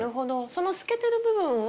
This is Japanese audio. その透けてる部分は？